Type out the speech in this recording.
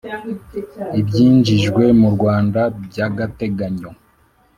ibyinjijwe mu Rwanda by’agategayo